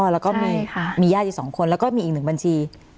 แล้วก็มีญาติอีก๒คนแล้วก็มีอีก๑บัญชี